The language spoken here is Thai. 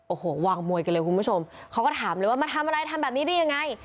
โอ้โหวางมวยกันเลยคุณผู้ชมเขาก็ถามเลยว่ามาทำอะไรทำแบบนี้ได้ยังไง